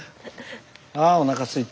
あおなかすいた。